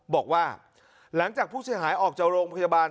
บอกว่าหลังจากผู้เสียหายออกจากโรงพยาบาล